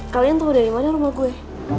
kalian tunggu dari mana rumah gue